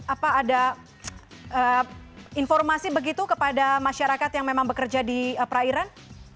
apa ada informasi begitu kepada masyarakat yang memang bekerja di perairan